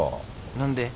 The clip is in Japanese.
何で？